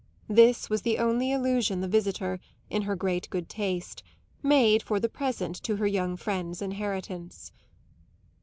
This was the only allusion the visitor, in her great good taste, made for the present to her young friend's inheritance.